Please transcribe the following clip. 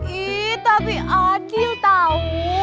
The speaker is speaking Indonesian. ih tapi adil tau